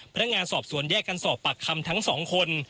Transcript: พนักงานสอบสวนแยกกันสอบปากคำทั้งสองคน